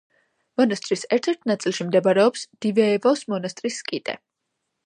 მონასტრის ერთ-ერთ ნაწილში მდებარეობს დივეევოს მონასტრის სკიტე.